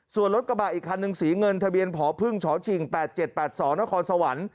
ส่วนรถกระบะอีกคันหนึ่งสีเงินทะเบียนผอพึ่งชชิง๘๗๘๒นครสวรรค์